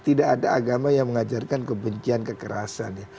tidak ada agama yang mengajarkan kebencian kekerasan ya